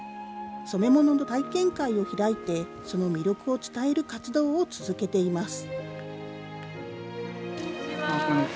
染め物の体験会を開いて、その魅力を伝える活動を続けています。